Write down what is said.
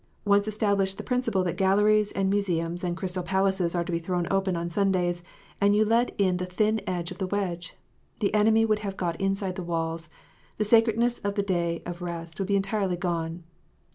Once establish the principle that galleries and museums and crystal palaces are to be thrown open on Sundays, and you let in the thin edge of the wedge. The enemy would have got inside the walls ; the sacredness of the day of rest would be entirely gone.